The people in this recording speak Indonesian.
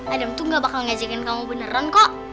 adam tuh gak bakal ngejekin kamu beneran kok